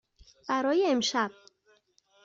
برای امشب.